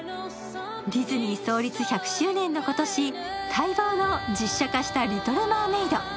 ディズニー創立１００周年の今年、待望の実写化した「リトル・マーメイド」